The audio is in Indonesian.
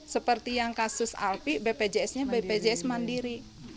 seperti yang kasus alfi bpjs nya bpjs mandiri